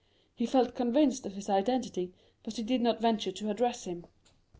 He felt convinced of his identity, but he did not venture to address him."